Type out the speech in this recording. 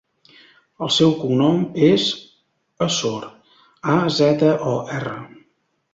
El seu cognom és Azor: a, zeta, o, erra.